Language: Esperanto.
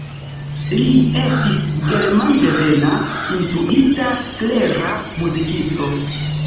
Li estis germandevena instruita, klera muzikisto.